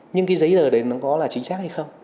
nhưng cái giấy tờ đấy nó có là chính xác hay không